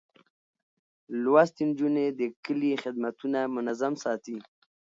لوستې نجونې د کلي خدمتونه منظم ساتي.